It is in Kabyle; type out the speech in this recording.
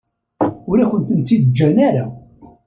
Ur akent-t-id-ǧǧant ara.